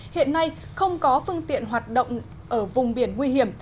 hiện nay không có phương tiện hoạt động ở vùng biển nguy hiểm